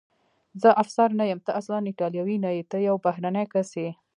زه افسر نه یم، ته اصلاً ایټالوی نه یې، ته یو بهرنی کس یې.